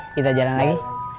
kita jalan lagi